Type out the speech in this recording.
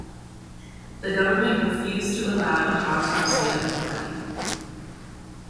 The government refused to allow an autopsy of the body.